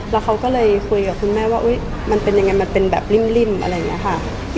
แล้วเขาก็เลยคุยกับคุณแม่ว่ามันเป็นยังไงมันเป็นแบบริ่มอะไรอย่างนี้ค่ะ